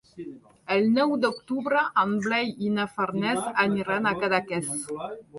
El nou d'octubre en Blai i na Farners aniran a Cadaqués.